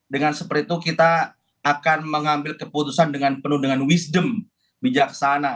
dengan seperti itu kita akan mengambil keputusan dengan penuh dengan wisdom bijaksana